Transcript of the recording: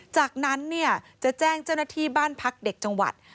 จากนั้นเนี่ยจะแจ้งเจ้าหน้าที่บ้านพักเด็กจังหวัด